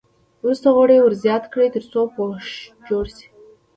وروسته غوړي ور زیات کړئ تر څو پوښ جوړ شي.